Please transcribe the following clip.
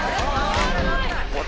回らない！